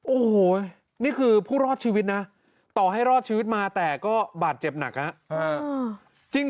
โอ้โหนี่คือผู้รอดชีวิตนะต่อให้รอดชีวิตมาแต่ก็บาดเจ็บหนักนะครับ